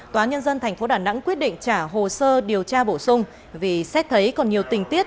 tnth đà nẵng quyết định trả hồ sơ điều tra bổ sung vì xét thấy còn nhiều tình tiết